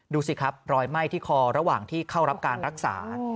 ดูสิครับรอยไหม้ที่คอระหว่างที่เข้ารับการรักษา